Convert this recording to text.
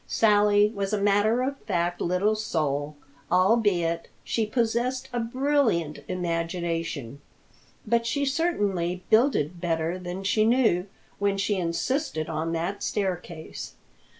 Sally was a matter of fact little soul, albeit she possessed a brilliant imagination. But she certainly builded better than she knew when she insisted on that staircase.